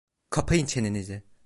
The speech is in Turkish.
Kapayın çenenizi!